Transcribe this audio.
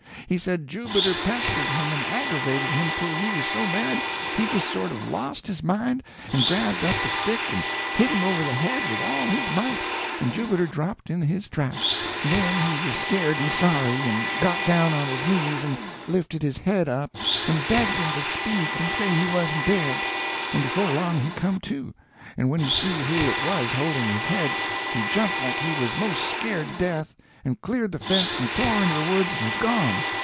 He said Jubiter pestered him and aggravated him till he was so mad he just sort of lost his mind and grabbed up a stick and hit him over the head with all his might, and Jubiter dropped in his tracks. Then he was scared and sorry, and got down on his knees and lifted his head up, and begged him to speak and say he wasn't dead; and before long he come to, and when he see who it was holding his head, he jumped like he was 'most scared to death, and cleared the fence and tore into the woods, and was gone.